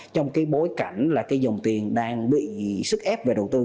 trong bối cảnh dòng tiền đang bị sức ép về đầu tư